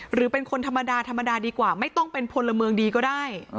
หรือเป็นคนธรรมดาธรรมดาดีกว่าไม่ต้องเป็นพลเมืองดีก็ได้